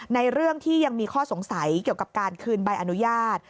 เรื่องที่ยังมีข้อสงสัยเกี่ยวกับการคืนใบอนุญาต